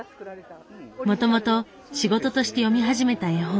もともと仕事として読み始めた絵本。